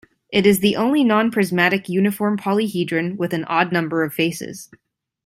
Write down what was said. It is the only non-prismatic uniform polyhedron with an odd number of faces.